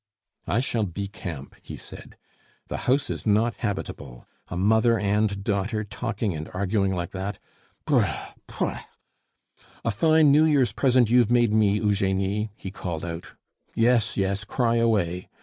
"I shall decamp," he said; "the house is not habitable. A mother and daughter talking and arguing like that! Broooouh! Pouah! A fine New Year's present you've made me, Eugenie," he called out. "Yes, yes, cry away!